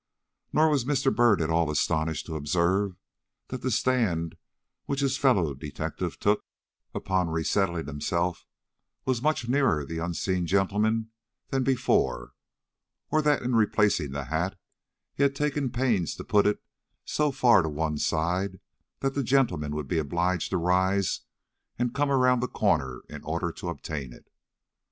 Nor was Mr. Byrd at all astonished to observe that the stand which his fellow detective took, upon resettling himself, was much nearer the unseen gentleman than before, or that in replacing the hat, he had taken pains to put it so far to one side that the gentleman would be obliged to rise and come around the corner in order to obtain it.